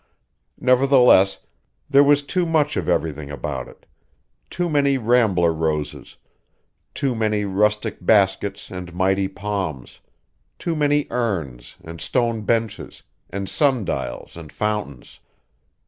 Nevertheless, there was too much of everything about it: too many rambler roses, too many rustic baskets and mighty palms; too many urns, and stone benches, and sundials and fountains.